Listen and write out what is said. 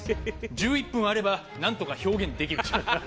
１１分あればなんとか表現できると。